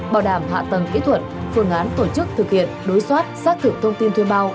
bảo đảm hạ tầng kỹ thuật phương án tổ chức thực hiện đối soát xác thực thông tin thuê bao